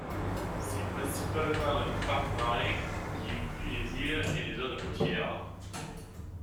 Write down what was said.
C'est principalement un parc marin, qui inclut des îles et des zones côtières.